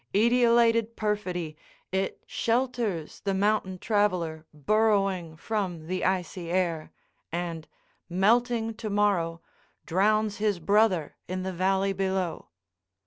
Etiolated perfidy, it shelters the mountain traveler burrowing from the icy air—and, melting to morrow, drowns his brother in the valley below.